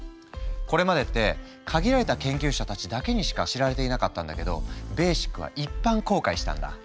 これまでって限られた研究者たちだけにしか知られていなかったんだけどベーシックは一般公開したんだ。